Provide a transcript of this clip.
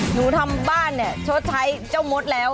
หนูทำบ้านเนี่ยชดใช้เจ้ามดแล้ว